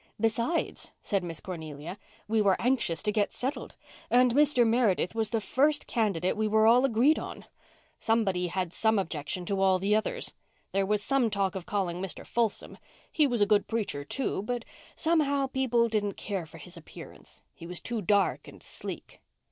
"Besides," said Miss Cornelia, "we were anxious to get settled. And Mr. Meredith was the first candidate we were all agreed on. Somebody had some objection to all the others. There was some talk of calling Mr. Folsom. He was a good preacher, too, but somehow people didn't care for his appearance. He was too dark and sleek."